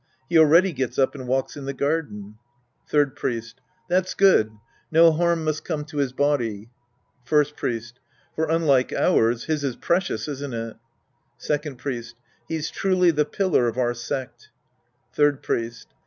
He already gets up and walks in the garden, , Third Priest. That's good. No harm must come to liis body. First Priest. For unlike ours, his is precious, isn't it? Second Priest. He's truly the pillar of our sect. Third Priest.